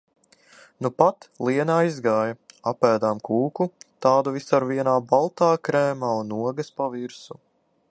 Nupat Liene aizgāja, apēdām kūku, tādu viscaur vienā baltā krēmā un ogas pa virsu.